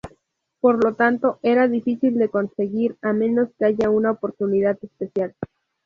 Por lo tanto, era difícil de conseguir a menos que haya una oportunidad especial.